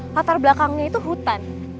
latar belakangnya itu hutan